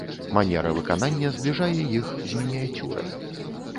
Манера выканання збліжае іх з мініяцюрай.